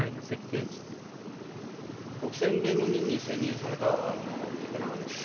国選弁護人に選任されたあの竹永です。